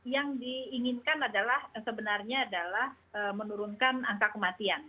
yang diinginkan adalah sebenarnya adalah menurunkan angka kematian